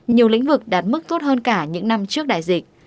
nhiều lĩnh vực đạt mức tốt hơn cả những năm trước đại dịch